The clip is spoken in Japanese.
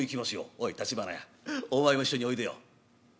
「おい橘屋お前も一緒においでよ」。